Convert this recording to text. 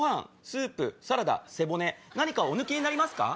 スープサラダ背骨何かお抜きになりますか？